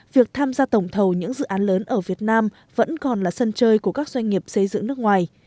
việc tham gia tổng thầu những dự án lớn ở việt nam vẫn còn là sân chơi của các doanh nghiệp xây dựng nước ngoài